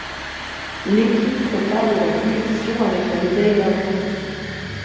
L'équipe repart de la compétition avec la médaille d'argent.